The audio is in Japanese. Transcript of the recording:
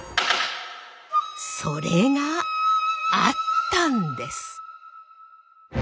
それがあったんです！